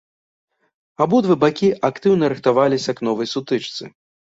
Абодва бакі актыўна рыхтаваліся к новай сутычцы.